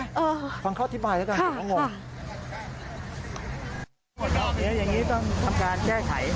อย่างนี้ต้องทำการแก้ไข